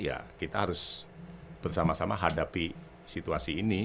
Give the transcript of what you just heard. ya kita harus bersama sama hadapi situasi ini